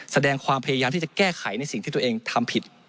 แสดงความพยายามที่จะแก้ไขในสิ่งที่ตัวเองทำผิด